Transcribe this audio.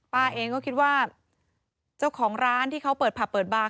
ป้าเองก็คิดว่าเจ้าของร้านที่เขาเปิดผับเปิดบาร์